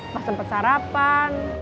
masa tempat sarapan